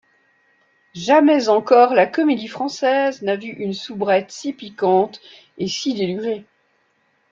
Jamais encore la Comédie-Française n'a vu une soubrette si piquante et si délurée.